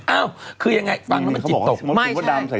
อ้าวคือยังไงฝั่งล่ะมันจิตตกไม่ใช่